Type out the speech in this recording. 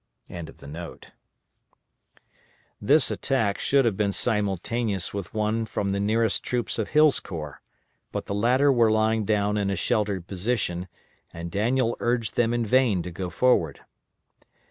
] This attack should have been simultaneous with one from the nearest troops of Hill's corps, but the latter were lying down in a sheltered position, and Daniel urged them in vain to go forward.